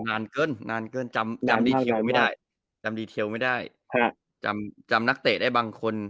นานเกินนานเกินจำจำดีเทลไม่ได้จำดีเทลไม่ได้จำจำนักเตะได้บางคน